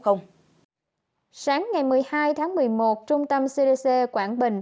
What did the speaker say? sáng ngày một mươi hai tháng một mươi một trung tâm cdc quảng bình